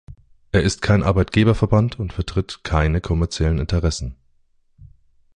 Er ist kein Arbeitgeberverband und vertritt keine kommerziellen Interessen.